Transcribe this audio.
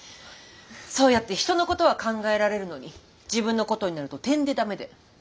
そうやって人のことは考えられるのに自分のことになるとてんでダメで。